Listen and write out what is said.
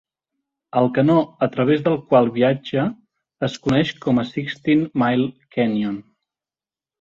El canó a través del qual viatja es coneix com a Sixteen Mile Canyon.